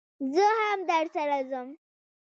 زه هم درسره ځم